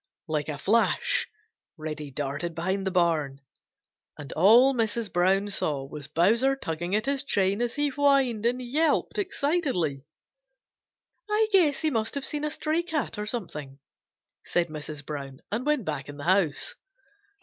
Like a flash Reddy darted behind the barn, and all Mrs. Brown saw was Bowser tugging at his chain as he whined and yelped excitedly. "I guess he must have seen a stray cat or something," said Mrs. Brown and went back in the house.